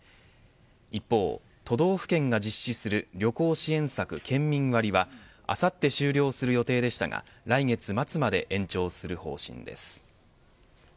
一方、都道府県が実施する旅行支援策、県民割はあさって終了する予定でしたが来月末まで延長する方針です。